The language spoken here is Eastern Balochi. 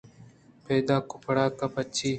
پاگ ءُ پڑکّہ ءُ پِچِّی